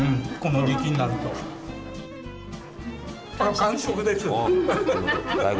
完食です。